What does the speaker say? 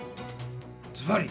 ずばり！